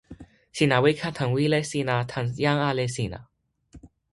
sina weka tan wile sina tan jan ale sina.